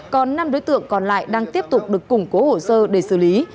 còn năm đối tượng còn lại đang tiếp tục được củng cố hồ sơ để xử lý